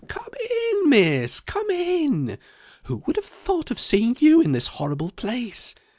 "Come in, Miss, come in! Who would have thought of seeing you in this horrible place?